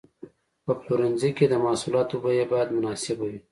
په پلورنځي کې د محصولاتو بیه باید مناسب وي.